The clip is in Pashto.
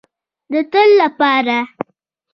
د تل لپاره.